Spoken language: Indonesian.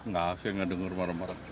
enggak saya nggak dengar marah marah